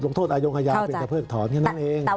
โทษอายงอาญาเป็นกระเพิกถอนแค่นั้นเอง